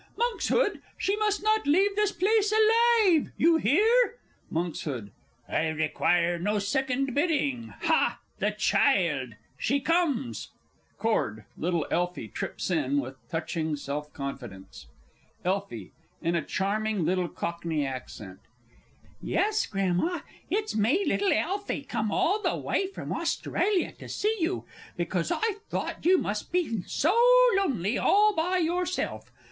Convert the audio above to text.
Monkshood, she must not leave this place alive you hear? Monks. I require no second bidding ha, the child ... she comes! [Chord. Little ELFIE trips in with touching self confidence. Elfie (in a charming little Cockney accent). Yes, Grandma, it's me little Elfie, come all the way from Australia to see you, because I thought you must be sow lownly all by yourself!